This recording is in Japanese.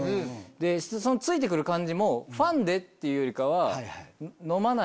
ついて来る感じもファンでっていうよりかは。